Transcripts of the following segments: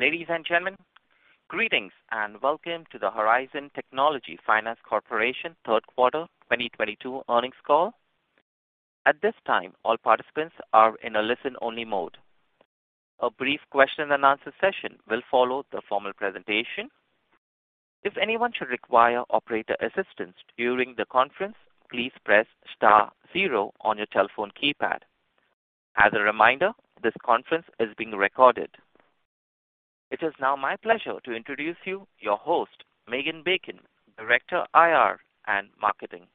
Ladies and gentlemen, greetings and welcome to the Horizon Technology Finance Corporation third quarter 2022 earnings call. At this time, all participants are in a listen-only mode. A brief question-and-answer session will follow the formal presentation. If anyone should require operator assistance during the conference, please press star zero on your telephone keypad. As a reminder, this conference is being recorded. It is now my pleasure to introduce your host, Megan Bacon, Director, IR and Marketing.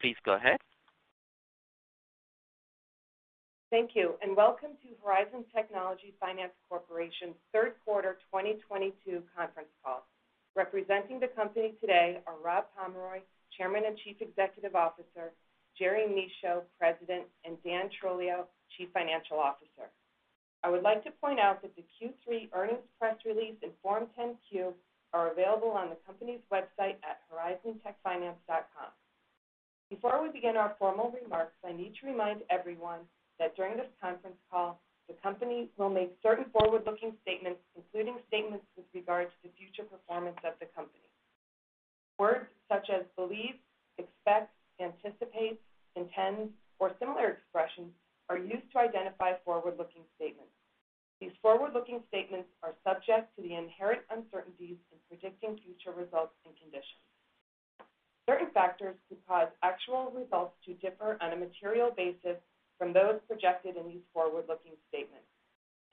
Please go ahead. Thank you, and welcome to Horizon Technology Finance Corporation Q3 2022 conference call. Representing the company today are Rob Pomeroy, Chairman and Chief Executive Officer, Jerry Michaud, President, and Dan Trolio, Chief Financial Officer. I would like to point out that the Q3 earnings press release and Form 10-Q are available on the company's website at horizontechfinance.com. Before we begin our formal remarks, I need to remind everyone that during this conference call, the company will make certain forward-looking statements, including statements with regards to future performance of the company. Words such as believe, expect, anticipate, intend, or similar expressions are used to identify forward-looking statements. These forward-looking statements are subject to the inherent uncertainties in predicting future results and conditions. Certain factors could cause actual results to differ on a material basis from those projected in these forward-looking statements,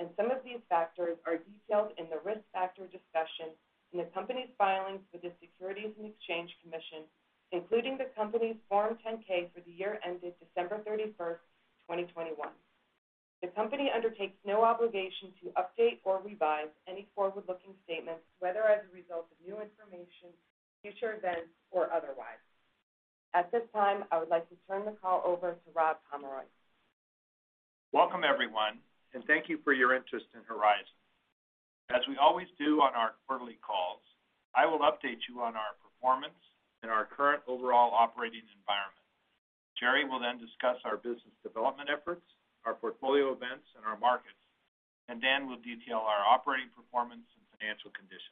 and some of these factors are detailed in the risk factor discussion in the company's filings with the Securities and Exchange Commission, including the company's Form 10-K for the year ended December 31st, 2021. The company undertakes no obligation to update or revise any forward-looking statements, whether as a result of new information, future events, or otherwise. At this time, I would like to turn the call over to Rob Pomeroy. Welcome, everyone, and thank you for your interest in Horizon. As we always do on our quarterly calls, I will update you on our performance and our current overall operating environment. Jerry will then discuss our business development efforts, our portfolio events, and our markets, and Dan will detail our operating performance and financial condition.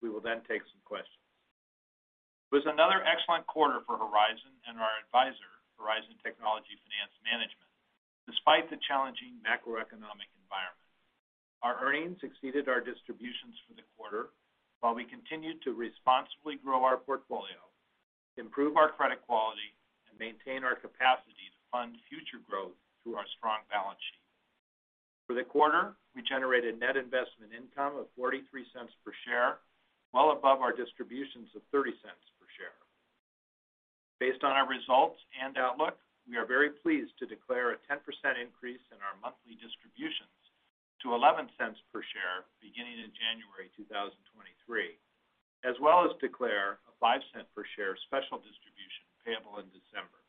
We will then take some questions. It was another excellent quarter for Horizon and our advisor, Horizon Technology Finance Management, despite the challenging macroeconomic environment. Our earnings exceeded our distributions for the quarter while we continued to responsibly grow our portfolio, improve our credit quality, and maintain our capacity to fund future growth through our strong balance sheet. For the quarter, we generated net investment income of $0.43 per share, well above our distributions of $0.30 per share. Based on our results and outlook, we are very pleased to declare a 10% increase in our monthly distributions to $0.11 per share beginning in January 2023, as well as declare a $0.05 per share special distribution payable in December.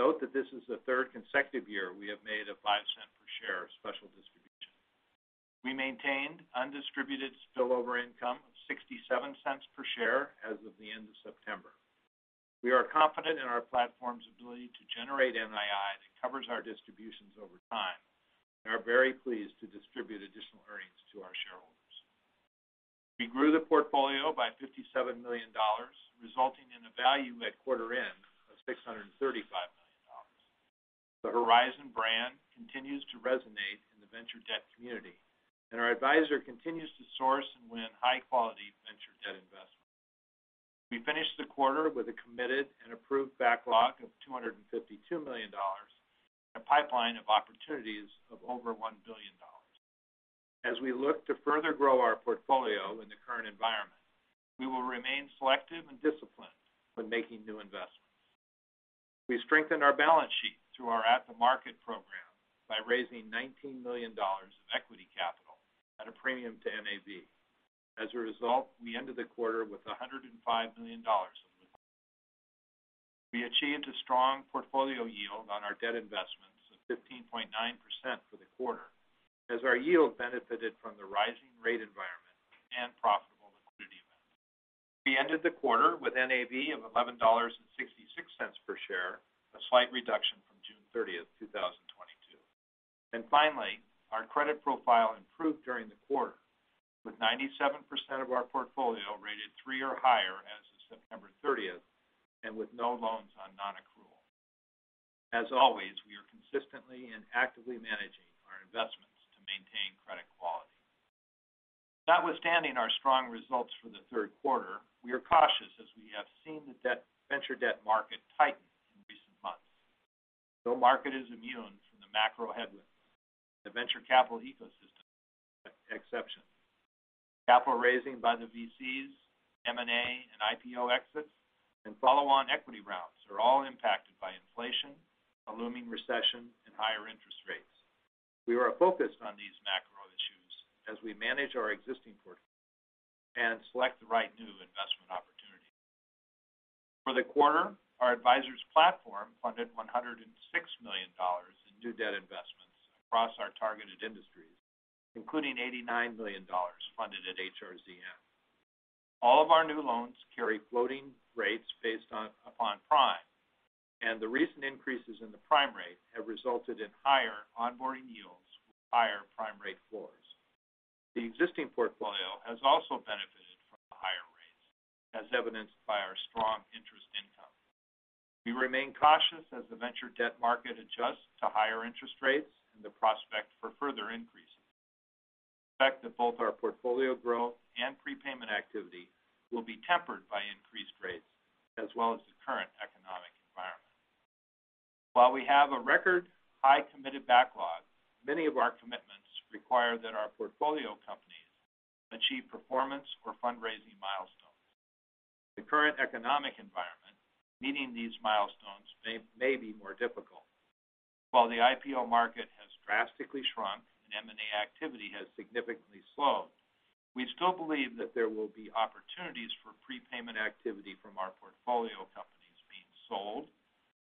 Note that this is the third consecutive year we have made a $0.05 per share special distribution. We maintained undistributed spillover income of $0.67 per share as of the end of September. We are confident in our platform's ability to generate NII that covers our distributions over time and are very pleased to distribute additional earnings to our shareholders. We grew the portfolio by $57 million, resulting in a value at quarter end of $635 million. The Horizon brand continues to resonate in the venture debt community and our advisor continues to source and win high-quality venture debt investments. We finished the quarter with a committed and approved backlog of $252 million and a pipeline of opportunities of over $1 billion. As we look to further grow our portfolio in the current environment, we will remain selective and disciplined when making new investments. We strengthened our balance sheet through our at-the-market program by raising $19 million of equity capital at a premium to NAV. As a result, we ended the quarter with $105 million in the bank. We achieved a strong portfolio yield on our debt investments of 15.9% for the quarter as our yield benefited from the rising rate environment and profitable liquidity events. We ended the quarter with NAV of $11.66 per share, a slight reduction from June 30, 2022. Finally, our credit profile improved during the quarter, with 97% of our portfolio rated three or higher as of September 30th and with no loans on non-accrual. As always, we are consistently and actively managing our investments to maintain credit quality. Notwithstanding our strong results for the third quarter, we are cautious as we have seen the venture debt market tighten in recent months. No market is immune from the macro headwinds. The venture capital ecosystem is no exception. Capital raising by the VCs, M&A, and IPO exits, and follow-on equity rounds are all impacted by inflation, a looming recession, and higher interest rates. We are focused on these macro issues as we manage our existing portfolio and select the right new investment opportunities. For the quarter, our advisor's platform funded $106 million in new debt investments across our targeted industries, including $89 million funded at HRZN. All of our new loans carry floating rates based on prime, and the recent increases in the prime rate have resulted in higher onboarding yields with higher prime rate floors. The existing portfolio has also benefited from the higher rates, as evidenced by our strong interest income. We remain cautious as the venture debt market adjusts to higher interest rates and the prospect for further increases. Expect that both our portfolio growth and prepayment activity will be tempered by increased rates, as well as the current economic environment. While we have a record high committed backlog, many of our commitments require that our portfolio companies achieve performance or fundraising milestones. The current economic environment, meeting these milestones may be more difficult. While the IPO market has drastically shrunk and M&A activity has significantly slowed, we still believe that there will be opportunities for prepayment activity from our portfolio companies being sold,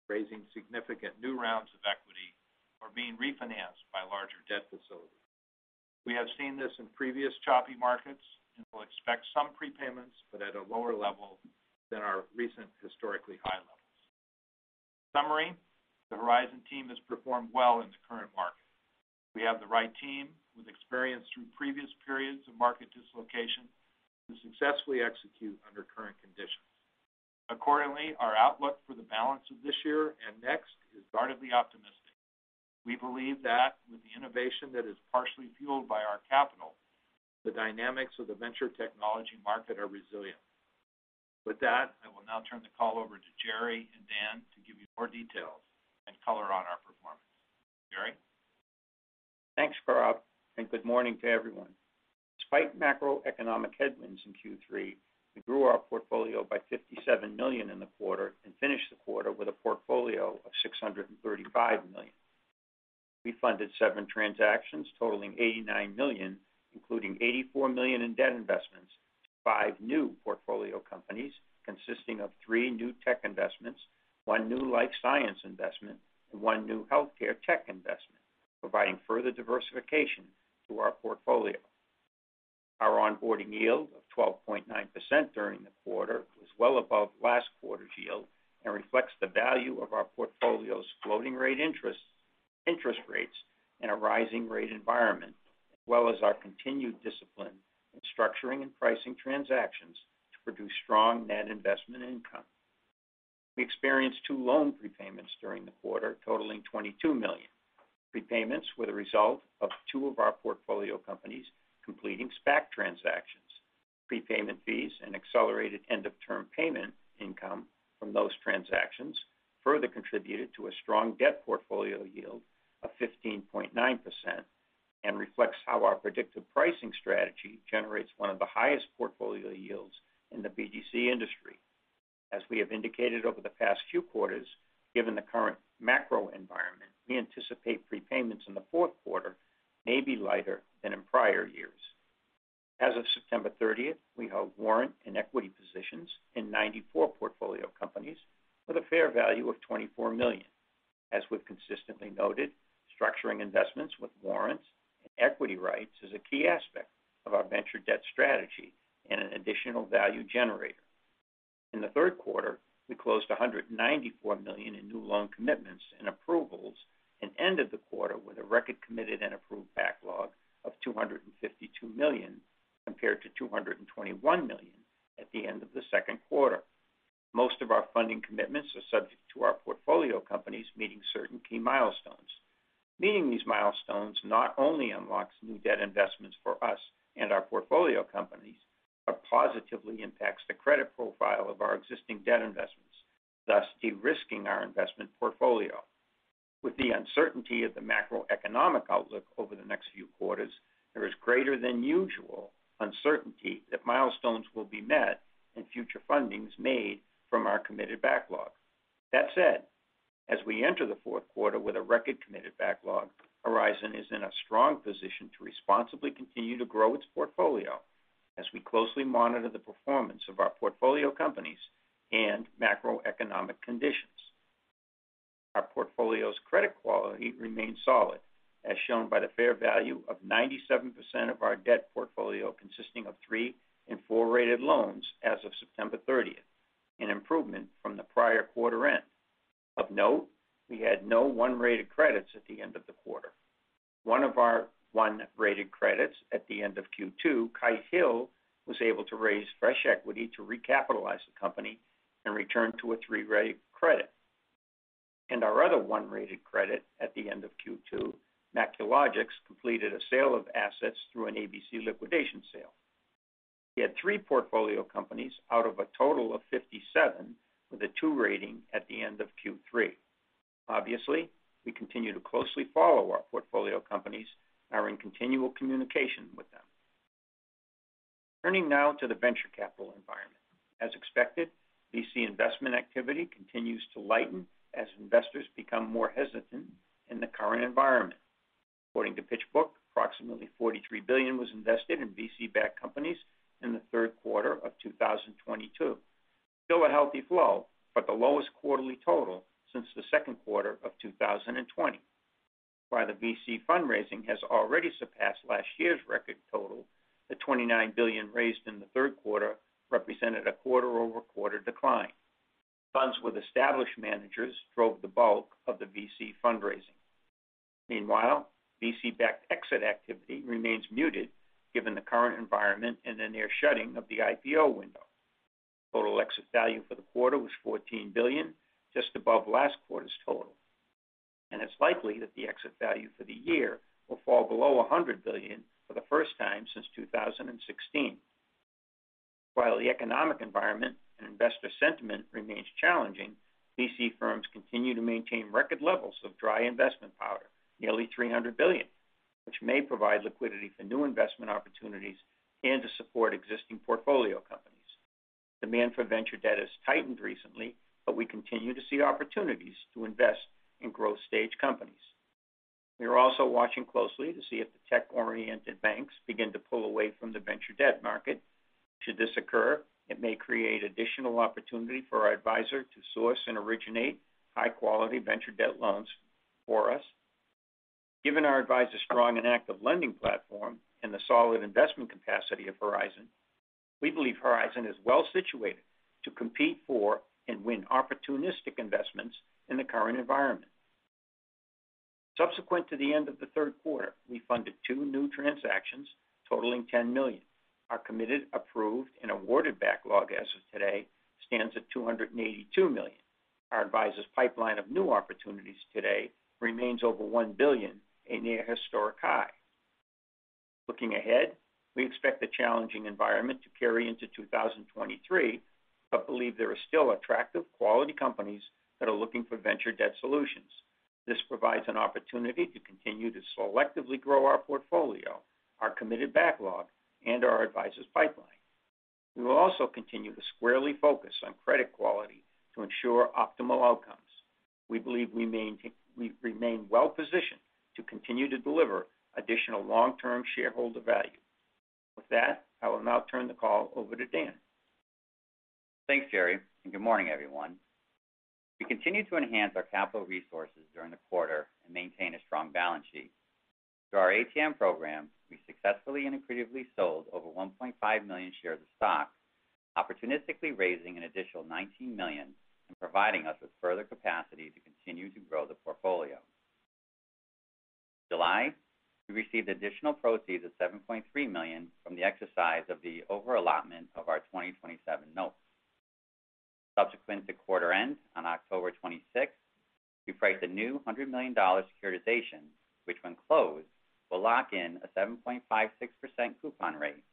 raising significant new rounds of equity, or being refinanced by larger debt facilities. We have seen this in previous choppy markets, and we'll expect some prepayments, but at a lower level than our recent historically high levels. In summary, the Horizon team has performed well in the current market. We have the right team with experience through previous periods of market dislocation to successfully execute under current conditions. Accordingly, our outlook for the balance of this year and next is guardedly optimistic. We believe that with the innovation that is partially fueled by our capital, the dynamics of the venture technology market are resilient. With that, I will now turn the call over to Jerry and Dan to give you more details and color on our performance. Jerry? Thanks, Rob, and good morning to everyone. Despite macroeconomic headwinds in Q3, we grew our portfolio by $57 million in the quarter and finished the quarter with a portfolio of $635 million. We funded seven transactions totaling $89 million, including $84 million in debt investments to five new portfolio companies consisting of three new tech investments, one new life science investment, and one new healthcare tech investment, providing further diversification to our portfolio. Our onboarding yield of 12.9% during the quarter was well above last quarter's yield and reflects the value of our portfolio's floating rate interests, interest rates in a rising rate environment, as well as our continued discipline in structuring and pricing transactions to produce strong net investment income. We experienced two loan prepayments during the quarter, totaling $22 million. Prepayments were the result of two of our portfolio companies completing SPAC transactions. Prepayment fees and accelerated end-of-term payment income from those transactions further contributed to a strong debt portfolio yield of 15.9% and reflects how our predictive pricing strategy generates one of the highest portfolio yields in the BDC industry. As we have indicated over the past few quarters, given the current macro environment, we anticipate prepayments in the fourth quarter may be lighter than in prior years. As of September 30th, we held warrant and equity positions in 94 portfolio companies with a fair value of $24 million. As we've consistently noted, structuring investments with warrants and equity rights is a key aspect of our venture debt strategy and an additional value generator. In the third quarter, we closed $194 million in new loan commitments and approvals and ended the quarter with a record committed and approved backlog of $252 million, compared to $221 million at the end of the second quarter. Most of our funding commitments are subject to our portfolio companies meeting certain key milestones. Meeting these milestones not only unlocks new debt investments for us and our portfolio companies, but positively impacts the credit profile of our existing debt investments, thus de-risking our investment portfolio. With the uncertainty of the macroeconomic outlook over the next few quarters, there is greater than usual uncertainty that milestones will be met and future fundings made from our committed backlog. That said, as we enter the fourth quarter with a record committed backlog, Horizon is in a strong position to responsibly continue to grow its portfolio as we closely monitor the performance of our portfolio companies and macroeconomic conditions. Our portfolio's credit quality remains solid, as shown by the fair value of 97% of our debt portfolio consisting of three and four-rated loans as of September thirtieth, an improvement from the prior quarter end. Of note, we had no one-rated credits at the end of the quarter. One of our one-rated credits at the end of Q2, Kite Hill, was able to raise fresh equity to recapitalize the company and return to a three-rated credit. Our other one-rated credit at the end of Q2, MacuLogix, completed a sale of assets through an ABC liquidation sale. We had three portfolio companies out of a total of 57 with a two rating at the end of Q3. Obviously, we continue to closely follow our portfolio companies and are in continual communication with them. Turning now to the venture capital environment. As expected, VC investment activity continues to lighten as investors become more hesitant in the current environment. According to PitchBook, approximately $43 billion was invested in VC-backed companies in the third quarter of 2022. Still a healthy flow, but the lowest quarterly total since the second quarter of 2020. While the VC fundraising has already surpassed last year's record total, the $29 billion raised in the third quarter represented a quarter-over-quarter decline. Funds with established managers drove the bulk of the VC fundraising. Meanwhile, VC-backed exit activity remains muted given the current environment and the near shutting of the IPO window. Total exit value for the quarter was $14 billion, just above last quarter's total, and it's likely that the exit value for the year will fall below $100 billion for the first time since 2016. While the economic environment and investor sentiment remains challenging, VC firms continue to maintain record levels of dry powder, nearly $300 billion, which may provide liquidity for new investment opportunities and to support existing portfolio companies. Demand for venture debt has tightened recently, but we continue to see opportunities to invest in growth stage companies. We are also watching closely to see if the tech-oriented banks begin to pull away from the venture debt market. Should this occur, it may create additional opportunity for our advisor to source and originate high-quality venture debt loans for us. Given our advisor's strong and active lending platform and the solid investment capacity of Horizon, we believe Horizon is well-situated to compete for and win opportunistic investments in the current environment. Subsequent to the end of the third quarter, we funded two new transactions totaling $10 million. Our committed, approved, and awarded backlog as of today stands at $282 million. Our advisor's pipeline of new opportunities today remains over $1 billion, a near historic high. Looking ahead, we expect the challenging environment to carry into 2023, but believe there are still attractive quality companies that are looking for venture debt solutions. This provides an opportunity to continue to selectively grow our portfolio, our committed backlog, and our advisor's pipeline. We will also continue to squarely focus on credit quality to ensure optimal outcomes. We believe we remain well-positioned to continue to deliver additional long-term shareholder value. With that, I will now turn the call over to Dan Trolio. Thanks, Jerry, and good morning, everyone. We continued to enhance our capital resources during the quarter and maintain a strong balance sheet. Through our ATM program, we successfully and accretively sold over 1.5 million shares of stock, opportunistically raising an additional $19 million and providing us with further capacity to continue to grow the portfolio. July, we received additional proceeds of $7.3 million from the exercise of the over-allotment of our 2027 notes. Subsequent to quarter end, on October twenty-sixth, we priced a new $100 million securitization, which, when closed, will lock in a 7.56% coupon rate,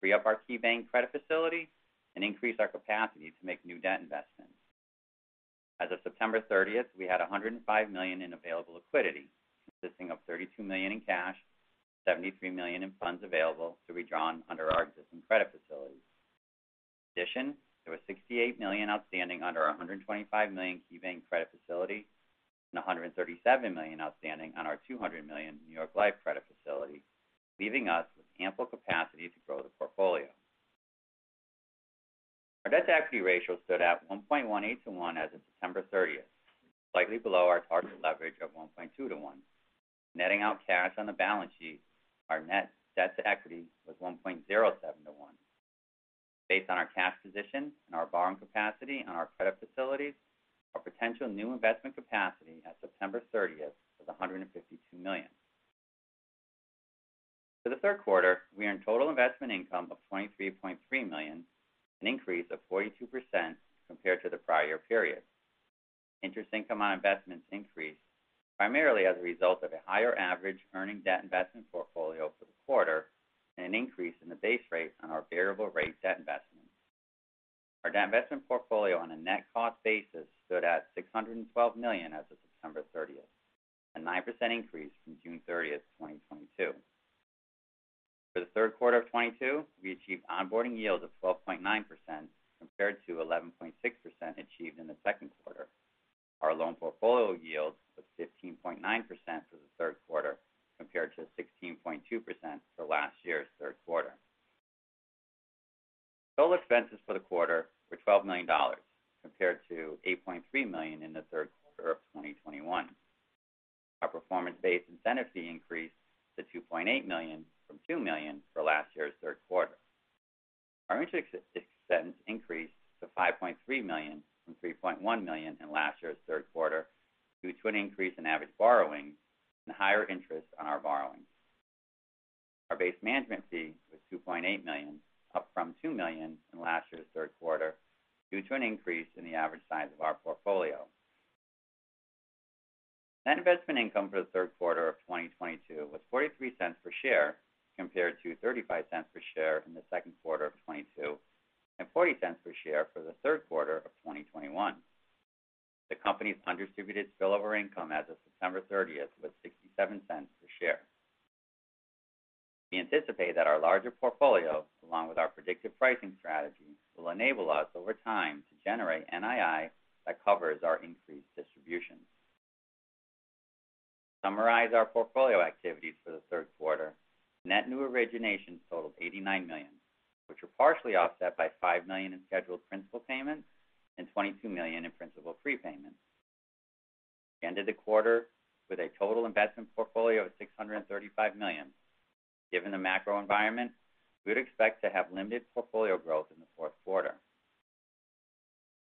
free up our KeyBank credit facility, and increase our capacity to make new debt investments. As of September 30th, we had $105 million in available liquidity, consisting of $32 million in cash, $73 million in funds available to be drawn under our existing credit facilities. In addition, there was $68 million outstanding under our $125 million KeyBank credit facility and $137 million outstanding on our $200 million New York Life credit facility, leaving us with ample capacity to grow the portfolio. Our debt-to-equity ratio stood at 1.18 to 1 as of September 30th, slightly below our target leverage of 1.2 to 1. Netting out cash on the balance sheet, our net debt to equity was 1.07 to 1. Based on our cash position and our borrowing capacity on our credit facilities, our potential new investment capacity at September 30th was $152 million. For the third quarter, we earned total investment income of $23.3 million, an increase of 42% compared to the prior period. Interest income on investments increased primarily as a result of a higher average earning debt investment portfolio for the quarter and an increase in the base rate on our variable rate debt investments. Our debt investment portfolio on a net cost basis stood at $612 million as of September 30th, a 9% increase from June 30th, 2022. For the third quarter of 2022, we achieved onboarding yields of 12.9% compared to 11.6% achieved in the second quarter. Our loan portfolio yields was 15.9% for the third quarter, compared to 16.2% for last year's third quarter. Total expenses for the quarter were $12 million, compared to $8.3 million in the third quarter of 2021. Our performance-based incentive fee increased to $2.8 million from $2 million for last year's third quarter. Our interest expense increased to $5.3 million from $3.1 million in last year's third quarter, due to an increase in average borrowing and higher interest on our borrowings. Our base management fee was $2.8 million, up from $2 million in last year's third quarter, due to an increase in the average size of our portfolio. Net investment income for the third quarter of 2022 was $0.43 per share, compared to $0.35 per share in the second quarter of 2022 and $0.40 per share for the third quarter of 2021. The company's undistributed spillover income as of September 30th was $0.67 per share. We anticipate that our larger portfolio, along with our predictive pricing strategy, will enable us over time to generate NII that covers our increased distributions. To summarize our portfolio activities for the third quarter, net new originations totaled $89 million. Were partially offset by $5 million in scheduled principal payments and $22 million in principal prepayments. We ended the quarter with a total investment portfolio of $635 million. Given the macro environment, we would expect to have limited portfolio growth in the fourth quarter.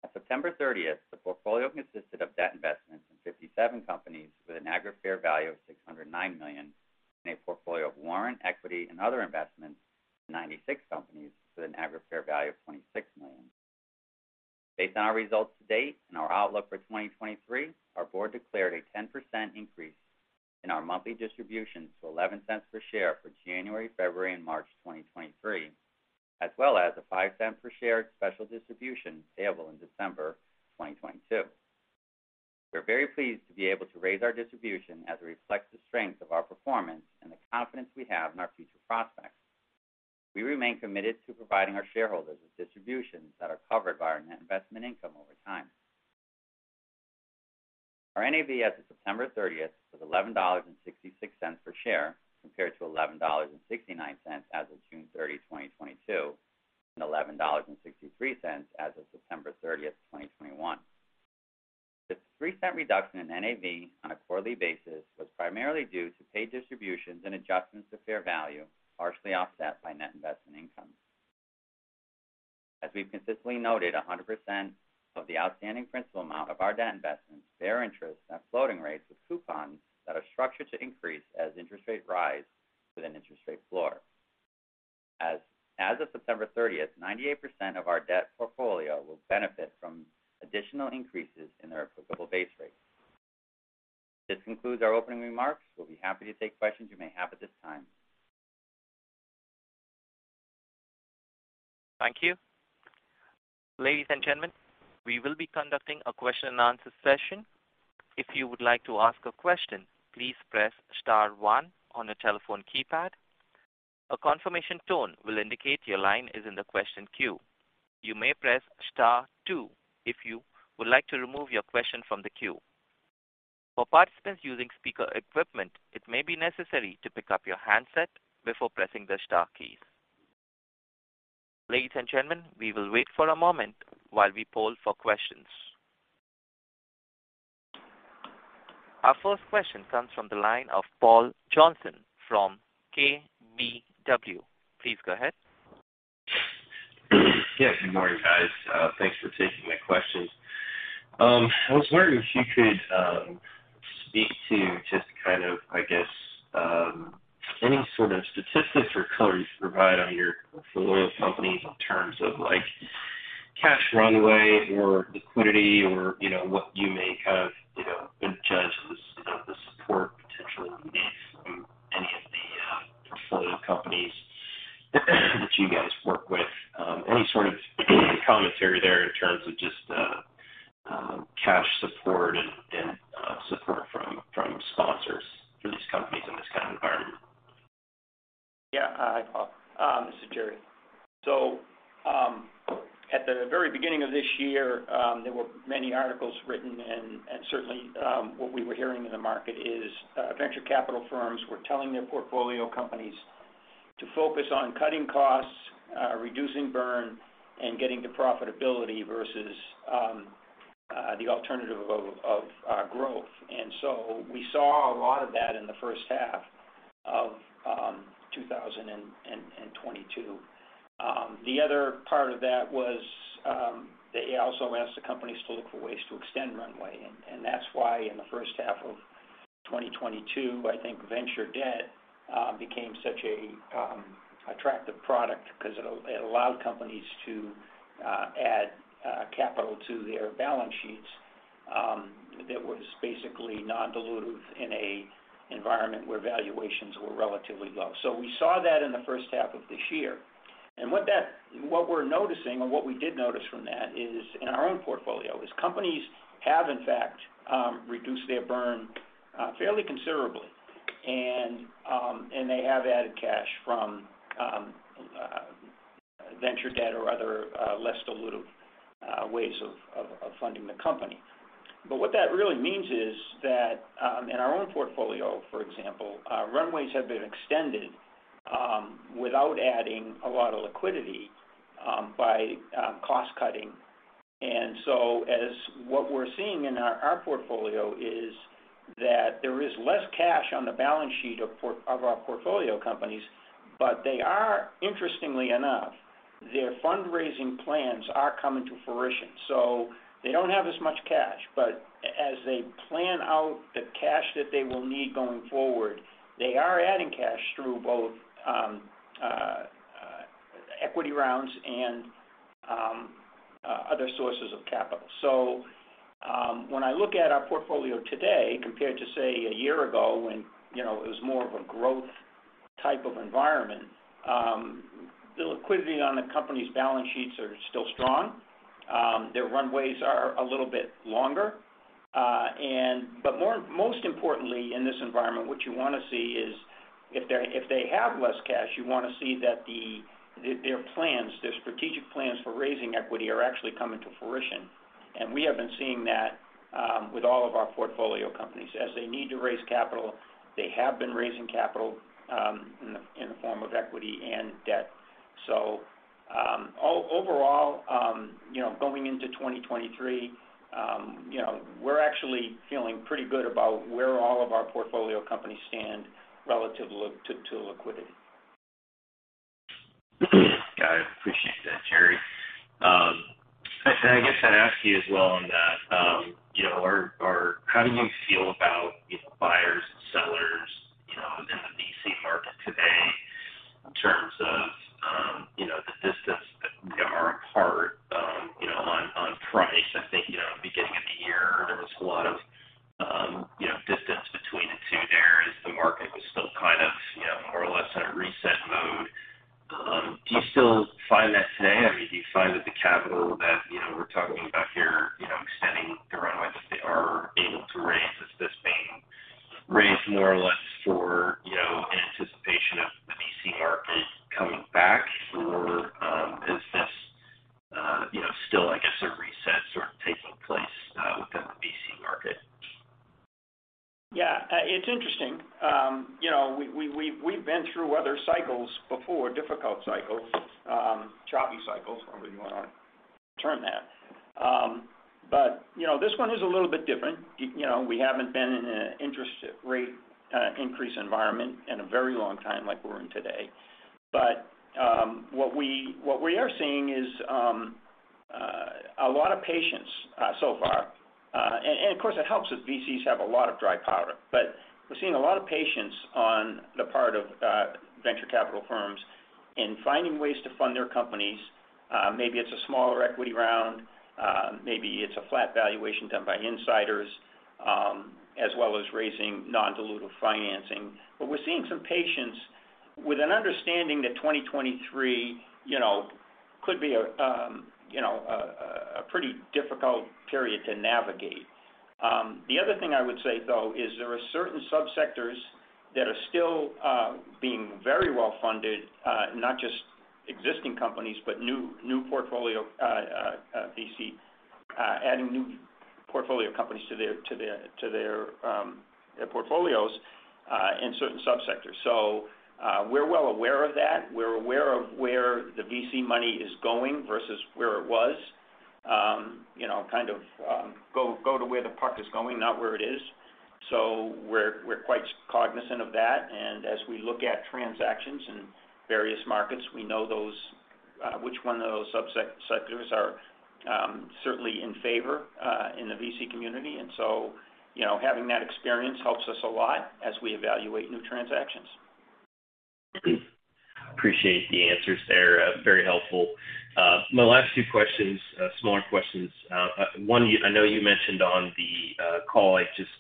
At September 30th, the portfolio consisted of debt investments in 57 companies with an aggregate fair value of $609 million, and a portfolio of warrant, equity, and other investments in 96 companies with an aggregate fair value of $26 million. Based on our results to date and our outlook for 2023, our board declared a 10% increase in our monthly distribution to $0.11 per share for January, February, and March 2023, as well as a $0.05 per share special distribution payable in December 2022. We're very pleased to be able to raise our distribution as it reflects the strength of our performance and the confidence we have in our future prospects. We remain committed to providing our shareholders with distributions that are covered by our net investment income over time. Our NAV as of September 30th was $11.66 per share compared to $11.69 as of June 30, 2022, and $11.63 as of September 30, 2021. This 3-cent reduction in NAV on a quarterly basis was primarily due to paid distributions and adjustments to fair value, partially offset by net investment income. As we've consistently noted, 100% of the outstanding principal amount of our debt investments bear interest at floating rates with coupons that are structured to increase as interest rates rise with an interest rate floor. As of September 30th, 98% of our debt portfolio will benefit from additional increases in their applicable base rate. This concludes our opening remarks. We'll be happy to take questions you may have at this time. Thank you. Ladies and gentlemen, we will be conducting a question and answer session. If you would like to ask a question, please press star one on your telephone keypad. A confirmation tone will indicate your line is in the question queue. You may press star two if you would like to remove your question from the queue. For participants using speaker equipment, it may be necessary to pick up your handset before pressing the star keys. Ladies and gentlemen, we will wait for a moment while we poll for questions. Our first question comes from the line of Paul Johnson from KBW. Please go ahead. Yeah. Good morning, guys. Thanks for taking my questions. I was wondering if you could speak to just kind of, I guess, any sort of statistics or color you could provide on your portfolio of companies in terms of, like, cash runway or liquidity or, you know, what you may have, you know, been judged as, you know, the support potentially you may see from any of the portfolio companies that you guys work with. Any sort of commentary there in terms of just cash support and support from sponsors for these companies in this kind of environment. Yeah. Hi, Paul. This is Jerry. At the very beginning of this year, there were many articles written, and certainly, what we were hearing in the market is, venture capital firms were telling their portfolio companies to focus on cutting costs, reducing burn, and getting to profitability versus the alternative of growth. We saw a lot of that in the first half of 2022. The other part of that was, they also asked the companies to look for ways to extend runway. That's why in the first half of 2022, I think venture debt became such an attractive product because it allowed companies to add capital to their balance sheets that was basically non-dilutive in an environment where valuations were relatively low. We saw that in the first half of this year. What we're noticing or what we did notice from that is, in our own portfolio, companies have in fact reduced their burn fairly considerably. They have added cash from venture debt or other less dilutive ways of funding the company. What that really means is that, in our own portfolio, for example, runways have been extended without adding a lot of liquidity by cost cutting. What we're seeing in our portfolio is that there is less cash on the balance sheet of our portfolio companies. They are, interestingly enough, their fundraising plans are coming to fruition. They don't have as much cash, but as they plan out the cash that they will need going forward, they are adding cash through both equity rounds and other sources of capital. When I look at our portfolio today compared to, say, a year ago when, you know, it was more of a growth type of environment, the liquidity on the company's balance sheets are still strong. Their runways are a little bit longer. Most importantly in this environment, what you wanna see is if they have less cash, you wanna see that their strategic plans for raising equity are actually coming to fruition. We have been seeing that with all of our portfolio companies. As they need to raise capital, they have been raising capital in the form of equity and debt. Overall, you know, going into 2023, you know, we're actually feeling pretty good about where all of our portfolio companies stand relative to liquidity. Got it. Appreciate that, Jerry. I guess I'd ask you as well on that, you know, How do you feel about, you know, buyers and sellers, you know, in the VC market today in terms of, you know, the distance that they are apart, you know, on price? I think, you know, beginning of the year, there was a lot of, you know, distance between the two there as the market was still kind of, you know, more or less in a reset mode. Do you still find that today? I mean, do you find that the capital that, you know, we're talking about here, you know, extending the runway that they are able to raise, is this being raised more or less for, you know, in anticipation of the VC market coming back? Is this, you know, still, I guess, a reset sort of taking place within the VC market? Yeah. It's interesting. You know, we've been through other cycles before, difficult cycles, choppy cycles, however you wanna term that. You know, this one is a little bit different. You know, we haven't been in an interest rate increase environment in a very long time like we're in today. What we are seeing is a lot of patience so far. Of course, it helps that VCs have a lot of dry powder. We're seeing a lot of patience on the part of venture capital firms in finding ways to fund their companies. Maybe it's a smaller equity round, maybe it's a flat valuation done by insiders, as well as raising non-dilutive financing. We're seeing some patience with an understanding that 2023, you know, could be a pretty difficult period to navigate. The other thing I would say, though, is there are certain sub-sectors that are still being very well-funded, not just existing companies, but new portfolio VC adding new portfolio companies to their portfolios in certain sub-sectors. We're well aware of that. We're aware of where the VC money is going versus where it was. You know, kind of, go to where the puck is going, not where it is. We're quite cognizant of that. As we look at transactions in various markets, we know those, which ones of those subsectors are certainly in favor in the VC community. You know, having that experience helps us a lot as we evaluate new transactions. Appreciate the answers there. Very helpful. My last two questions, smaller questions. One, I know you mentioned on the call, I just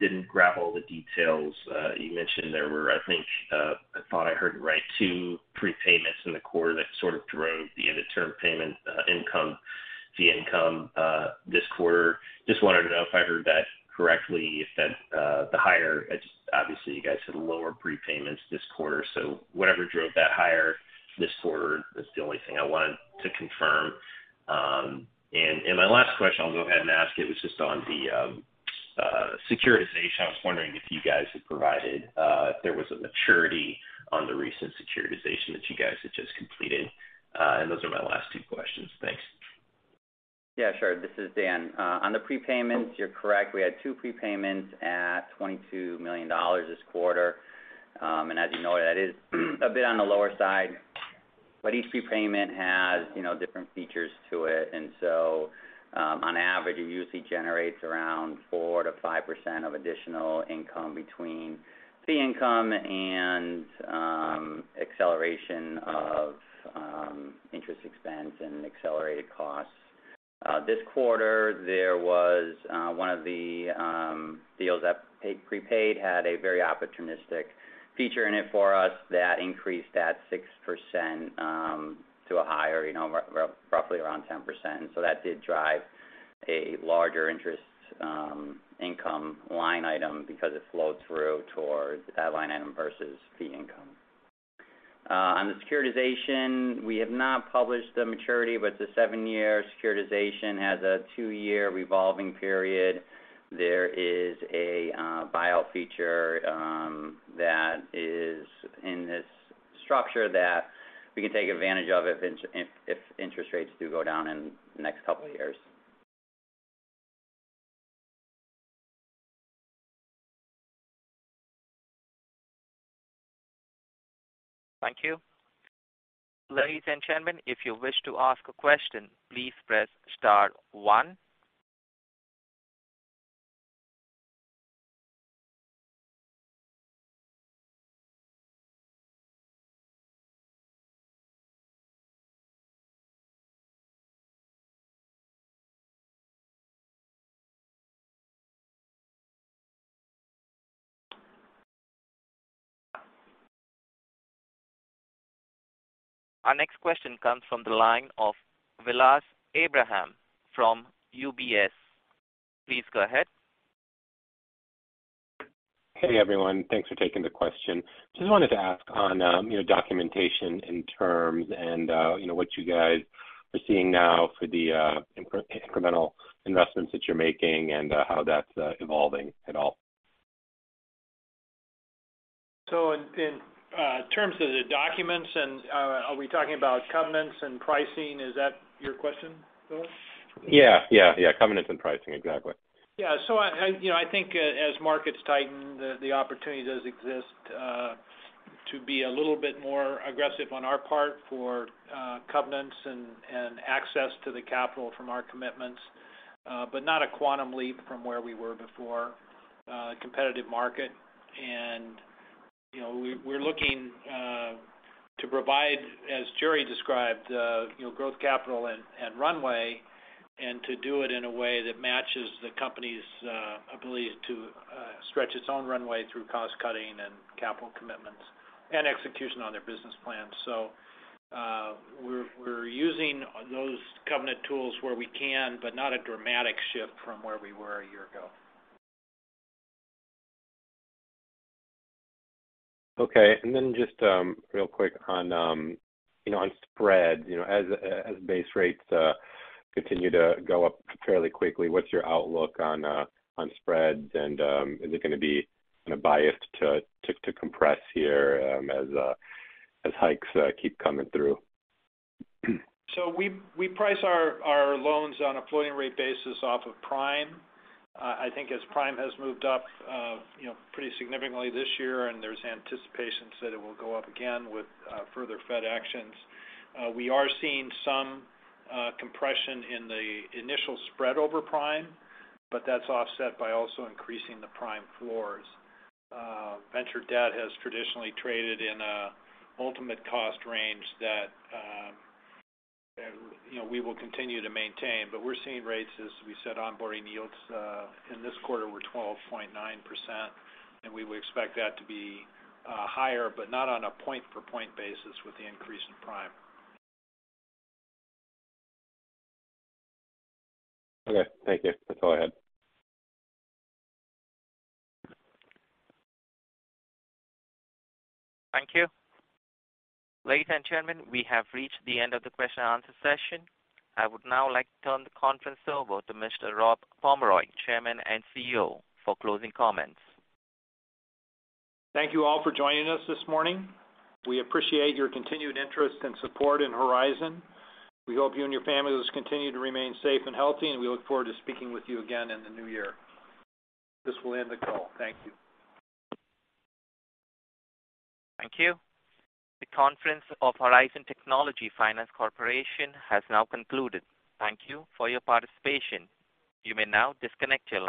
didn't grab all the details. You mentioned there were, I think, I thought I heard it right, two prepayments in the quarter that sort of drove the end of term payment, income, fee income, this quarter. Just wanted to know if I heard that correctly, if that, the higher. It's obviously you guys had lower prepayments this quarter. So whatever drove that higher this quarter is the only thing I wanted to confirm. My last question, I'll go ahead and ask, it was just on the securitization. I was wondering if you guys had provided, if there was a maturity on the recent securitization that you guys had just completed. Those are my last two questions. Thanks. Yeah, sure. This is Dan. On the prepayments, you're correct. We had two prepayments at $22 million this quarter. As you know, that is a bit on the lower side, but each prepayment has, you know, different features to it. On average, it usually generates around 4%-5% of additional income between fee income and acceleration of interest expense and accelerated costs. This quarter, there was one of the deals that prepaid, had a very opportunistic feature in it for us that increased at 6%, to a higher, you know, roughly around 10%. That did drive a larger interest income line item because it flowed through towards that line item versus fee income. On the securitization, we have not published the maturity, but the seven-year securitization has a two-year revolving period. There is a buyout feature that is in this structure that we can take advantage of if interest rates do go down in the next couple of years. Thank you. Ladies and gentlemen, if you wish to ask a question, please press star one. Our next question comes from the line of Vilas Abraham from UBS. Please go ahead. Hey, everyone. Thanks for taking the question. Just wanted to ask on, you know, documentation and terms and, you know, what you guys are seeing now for the incremental investments that you're making and how that's evolving at all. In terms of the documents and are we talking about covenants and pricing? Is that your question, Philip? Yeah. Yeah, yeah. Covenants and pricing. Exactly. Yeah. You know, I think as markets tighten, the opportunity does exist to be a little bit more aggressive on our part for covenants and access to the capital from our commitments. But not a quantum leap from where we were before, competitive market. You know, we're looking to provide, as Jerry described, you know, growth capital and runway, and to do it in a way that matches the company's ability to stretch its own runway through cost cutting and capital commitments and execution on their business plan. We're using those covenant tools where we can, but not a dramatic shift from where we were a year ago. Okay. Then just real quick on you know on spread. You know as base rates continue to go up fairly quickly what's your outlook on spreads? Is it gonna be kind of biased to compress here as hikes keep coming through? We price our loans on a floating rate basis off of prime. I think as prime has moved up, you know, pretty significantly this year, and there's anticipations that it will go up again with further Fed actions. We are seeing some compression in the initial spread over prime, but that's offset by also increasing the prime floors. Venture debt has traditionally traded in a ultimate cost range that, you know, we will continue to maintain, but we're seeing rates, as we said, onboarding yields in this quarter were 12.9%, and we would expect that to be higher, but not on a point for point basis with the increase in prime. Okay. Thank you. That's all I had. Thank you. Ladies and gentlemen, we have reached the end of the question and answer session. I would now like to turn the conference over to Mr. Rob Pomeroy, Chairman and CEO, for closing comments. Thank you all for joining us this morning. We appreciate your continued interest and support in Horizon. We hope you and your families continue to remain safe and healthy, and we look forward to speaking with you again in the new year. This will end the call. Thank you. Thank you. The conference of Horizon Technology Finance Corporation has now concluded. Thank you for your participation. You may now disconnect your line.